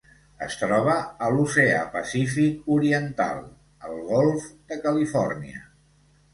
Es troba a l'Oceà Pacífic oriental: el Golf de Califòrnia.